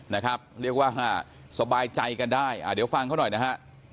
นะครับเรียกว่าสบายใจกันได้อ่าเดี๋ยวฟังเขาหน่อยนะฮะ